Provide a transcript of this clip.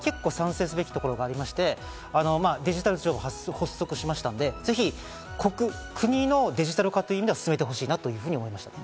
これは賛成すべきところがあって、デジタル庁が発足しましたので、ぜひ、国のデジタル化という意味では進めてほしいと思いました。